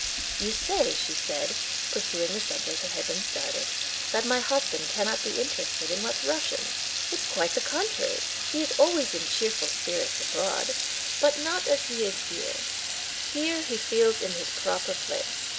"You say," she said, pursuing the subject that had been started, "that my husband cannot be interested in what's Russian. It's quite the contrary; he is always in cheerful spirits abroad, but not as he is here. Here, he feels in his proper place.